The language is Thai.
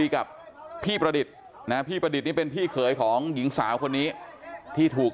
ใครปล่อยเสือสมิงมาเข้าผู้หญิงคนนี้